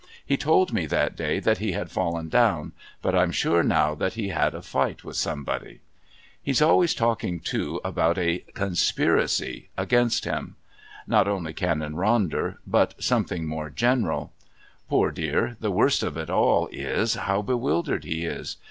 He told me that day that he had fallen down, but I'm sure now that he had a fight with somebody. He's always talking, too, about a "conspiracy" against him not only Canon Ronder, but something more general. Poor dear, the worst of it all is, how bewildered he is.